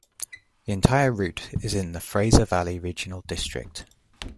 The entire route is in the Fraser Valley Regional District.